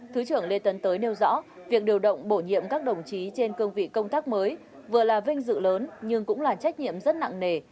thứ trưởng lê tấn tới nêu rõ việc điều động bổ nhiệm các đồng chí trên cương vị công tác mới vừa là vinh dự lớn nhưng cũng là trách nhiệm rất nặng nề